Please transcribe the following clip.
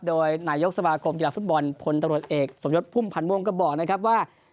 โดยนายกสมาคมกีฬาฟุตบอลพลตรวจเอกสมยศพุ่มพันธ์ม่วงก็บอกนะครับว่า